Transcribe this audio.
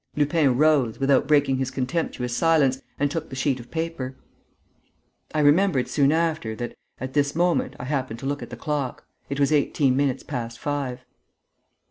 Lupin rose, without breaking his contemptuous silence, and took the sheet of paper. I remembered soon after that, at this moment, I happened to look at the clock. It was eighteen minutes past five.